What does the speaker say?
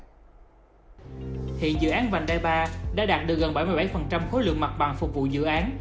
hiện dự án vành đai ba đã đạt được gần bảy mươi bảy khối lượng mặt bằng phục vụ dự án